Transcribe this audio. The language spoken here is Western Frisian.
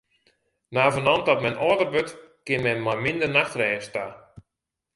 Navenant dat men âlder wurdt, kin men mei minder nachtrêst ta.